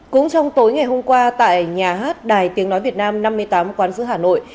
cũng trong tối ngày hôm qua tại nhà hát đài tiếng nói việt nam năm mươi tám quán dữ hà nội